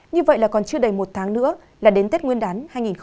như vậy là còn chưa đầy một tháng nữa là đến tết nguyên đán hai nghìn hai mươi